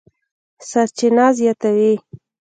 سرچینه زیاتوي